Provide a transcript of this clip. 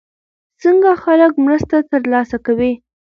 څنګه خلک مرسته ترلاسه کوي؟